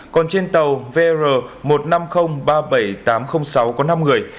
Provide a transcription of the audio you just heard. còn trên tàu vr một năm không ba bảy tám không sáu có năm người